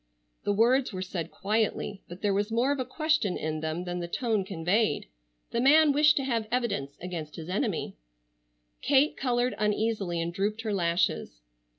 The words were said quietly, but there was more of a question in them than the tone conveyed. The man wished to have evidence against his enemy. Kate colored uneasily and drooped her lashes.